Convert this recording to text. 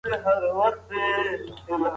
اورېدونکي به زده کول.